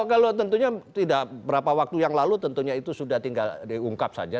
kalau tentunya tidak berapa waktu yang lalu tentunya itu sudah tinggal diungkap saja